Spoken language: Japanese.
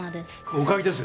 誤解です